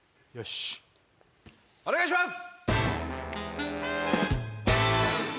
しっお願いします！